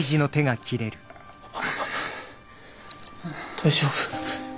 大丈夫？